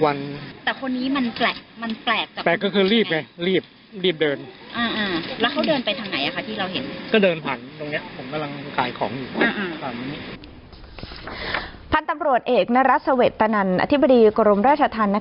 พันธุ์ตำรวจเอกนรัฐเสวตนันอธิบดีกรมราชธรรม